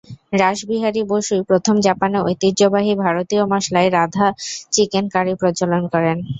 রাসবিহারী বসুই প্রথম জাপানে ঐতিহ্যবাহী ভারতীয় মসলায় রাঁধা চিকেন কারি প্রচলন করেন।